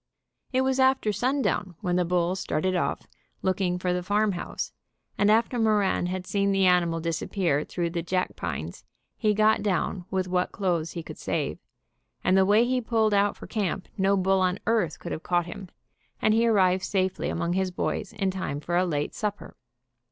It was after sun down when the bull started off looking for the farm house, and after Moran had seen the animal disap pear through the jack pines he got down with what The bull would look up at him and bellow. 148 ABOLISHING THE SCHOOL RECESS clothes he could save, and the way he pulled out for camp no bull on earth could have caught him, and he arrived safely among his boys in time for a late sup per.